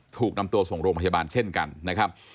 ถูกนำตัวส่งโรงพยาบาลเช่นกันนะครับ